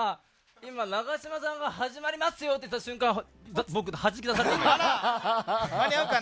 永島さんが始まりますよと言った瞬間僕、はじき出されました。